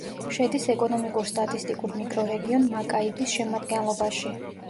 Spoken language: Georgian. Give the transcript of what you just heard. შედის ეკონომიკურ-სტატისტიკურ მიკრორეგიონ მაკაიბის შემადგენლობაში.